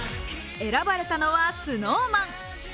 選ばれたのはＳｎｏｗＭａｎ。